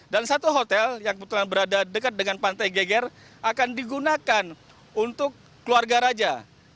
dan satu hotel yang berada dekat dengan pantai geger akan digunakan untuk keluarga raja